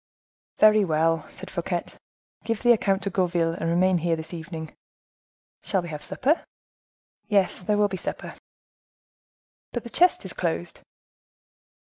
"Very well," said Fouquet, "give the account to Gourville, and remain here this evening." "Shall we have supper?" "Yes, there will be supper." "But the chest is closed."